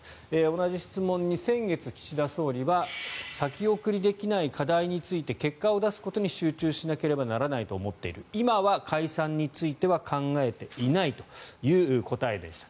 同じ質問に先月、岸田総理は先送りできない課題について結果を出すことに集中しなければならないと思っている今は解散については考えていないという答えでした。